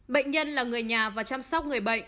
bệnh nhân là người nhà và chăm sóc người bệnh